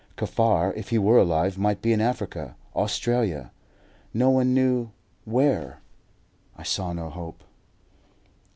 Kaffar, if he were alive, might be in Africa, Australia no one knew where. I saw no hope.